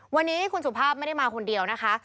วันนี้คุณสุภาพไม่ได้มาคนเดียวนะคะ